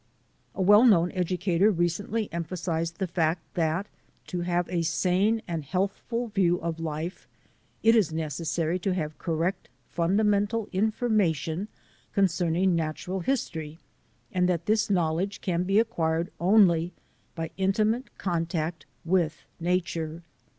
A well known educator recently emphasized the fact that to have a sane and healthful view of life it is necessary to have correct fundamental in formation concerning natural history; and that this knowledge can be acquired only by intimate contact with nature.